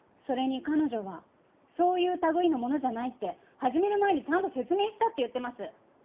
それに彼女はそういう類いのものじゃないって始める前にちゃんと説明したって言ってます。